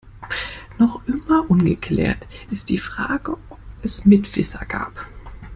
Noch immer ungeklärt ist die Frage, ob es Mitwisser gab.